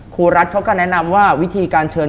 ครูรัฐเขาก็แนะนำว่าวิธีการเชิญ